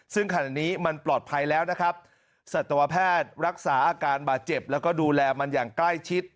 ซึ่งขณะนี้มันปลอดภัยแล้วนะครับสัตวแพทย์รักษาอาการบาดเจ็บแล้วก็ดูแลมันอย่างใกล้ชิด